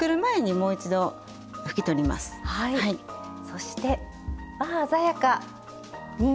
そしてああ鮮やか！